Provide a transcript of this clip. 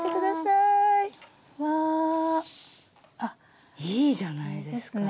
いいじゃないですか。